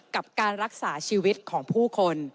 กับการรักษาชีวิตของผู้คน